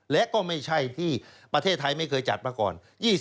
และก็ไม่ใช่ที่ประเทศไทยไม่เคยจัดมาก่อน